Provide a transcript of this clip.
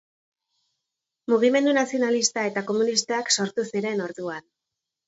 Mugimendu nazionalista eta komunistak sortu ziren orduan.